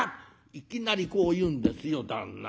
いきなりこう言うんですよ旦那。